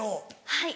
はい。